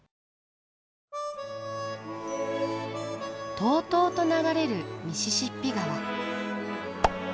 とうとうと流れるミシシッピ川。